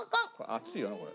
熱いよなこれ。